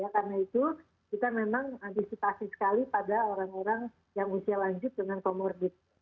karena itu kita memang antisipasi sekali pada orang orang yang usia lanjut dengan komorbid